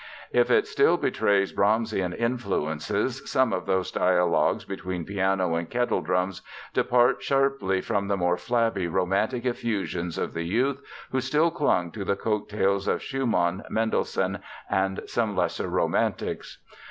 If it still betrays Brahmsian influences some of those dialogues between piano and kettledrums depart sharply from the more flabby romantic effusions of the youth who still clung to the coat tails of Schumann, Mendelssohn and some lesser romantics.